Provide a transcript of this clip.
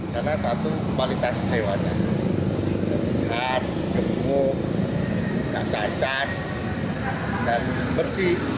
karena satu kualitas sewanya sehat gemuk tidak cacat dan bersih